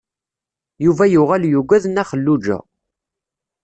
Yuba yuɣal yugad Nna Xelluǧa.